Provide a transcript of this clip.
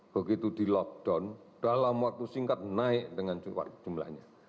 begitu di lockdown dalam waktu singkat naik dengan jumlahnya